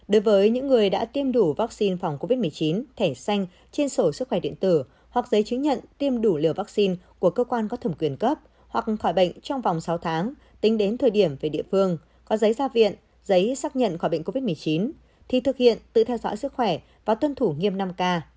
đối với những người đã tiêm đủ vaccine phòng covid một mươi chín thẻ xanh trên sổ sức khỏe điện tử hoặc giấy chứng nhận tiêm đủ liều vaccine của cơ quan có thẩm quyền cấp hoặc khỏi bệnh trong vòng sáu tháng tính đến thời điểm về địa phương có giấy gia viện giấy xác nhận khỏi bệnh covid một mươi chín thì thực hiện tự theo dõi sức khỏe và tuân thủ nghiêm năm k